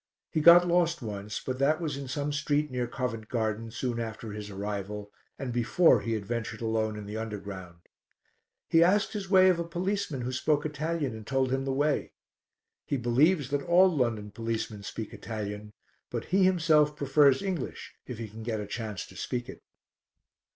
He got lost once, but that was in some street near Covent Garden, soon after his arrival, and before he had ventured alone in the Underground; he asked his way of a policeman who spoke Italian and told him the way: he believes that all London policemen speak Italian, but he himself prefers English if he can get a chance to speak it.